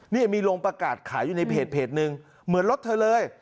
นี่มีลงประกาศขายอยู่ในเพจหนึ่งเหมือนรถเธอเลย